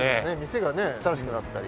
店がね新しくなったり。